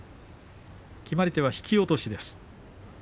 決まり手は引き落としです。